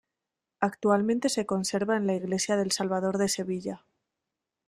Actualmente se conserva en la iglesia del Salvador de Sevilla.